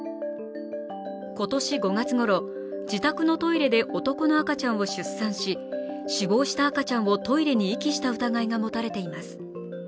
今年５月ごろ自宅のトイレで男の赤ちゃんを出産し、死亡した赤ちゃんをトイレに遺棄した疑いが持たれています。